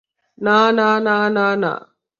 না না না না না।